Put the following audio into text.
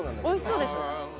おいしそうです。